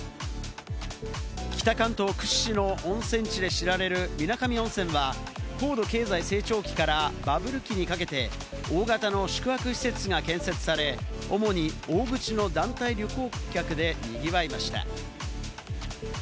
北関東屈指の温泉地で知られる水上温泉は高度経済成長期からバブル期にかけて大型の宿泊施設が建設され、主に大口の団体旅行客で賑わいました。